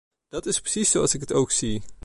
Dat is precies zoals ik het ook zie.